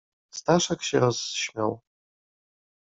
"Staszek się rozśmiał."